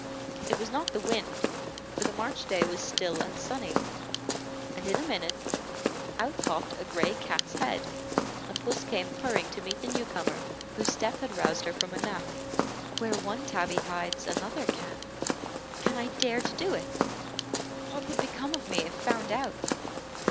It was not the wind, for the March day was still and sunny, and in a minute out popped a gray cat's head, and puss came purring to meet the new comer whose step had roused her from a nap. "Where one tabby hides, another can. Can I dare to do it? What would become of me if found out?